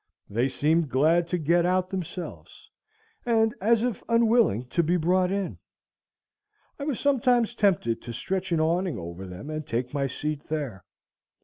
They seemed glad to get out themselves, and as if unwilling to be brought in. I was sometimes tempted to stretch an awning over them and take my seat there.